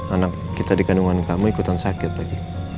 anak kita di kandungan kamu ikutan sakit lagi